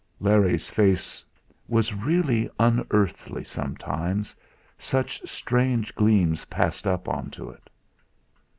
Larry's face was really unearthly sometimes, such strange gleams passed up on to it!